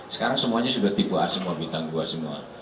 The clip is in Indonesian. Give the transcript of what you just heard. sekarang semuanya sudah tipe a semua bintang dua semua